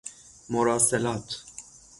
مراسلات